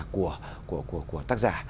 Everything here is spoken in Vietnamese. của tác giả